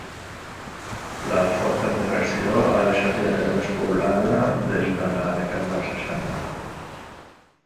La forta emigració ha deixat gairebé despoblada des de la dècada dels seixanta.